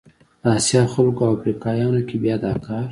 د اسیا خلکو او افریقایانو کې بیا دا کار